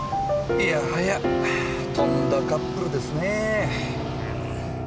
いやはやとんだカップルですねぇ。